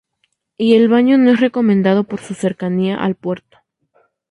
Y el baño no es recomendado por su cercanía al puerto.